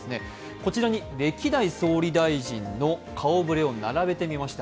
こちらに歴代総理大臣の顔ぶれを並べてみました。